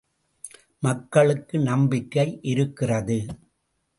மக்களுக்கு நம்பிக்கை இருக்கிறது.